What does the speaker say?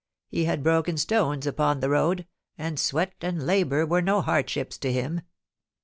He had broken stones up>on the road, and sweat and labour were no hardships to him.